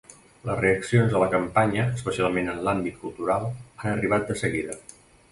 Les reaccions a la campanya, especialment en l’àmbit cultural, han arribat de seguida.